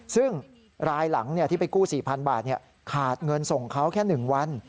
ซึ่งรายหลังที่ไปกู้๔๐๐๐บาทขาดเงินส่งเขาแค่๑วัน